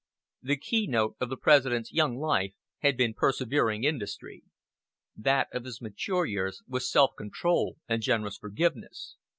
The keynote of the President's young life had been persevering industry. That of his mature years was self control and generous forgiveness.